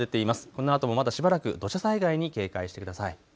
このあともまだしばらく土砂災害に警戒してください。